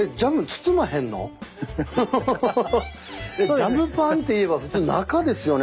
ジャムパンっていえば普通中ですよね？